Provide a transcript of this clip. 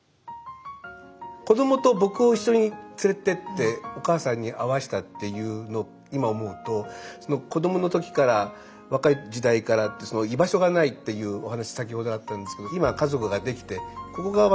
子どもと僕を一緒に連れてってお母さんに会わしたっていうのを今思うと子どもの時から若い時代から居場所がないっていうお話先ほどあったんですけど今家族ができてここが私の今居場所です。